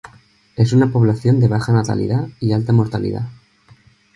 Es una población de baja natalidad y alta mortalidad.